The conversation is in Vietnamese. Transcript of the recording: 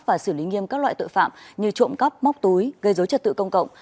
và xử lý nghiêm các loại tội phạm như trộm cắp móc túi gây dối trật tự công cộng